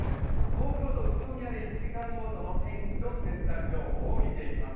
東京と宇都宮で１時間ごとの天気と洗濯情報を見ていきます。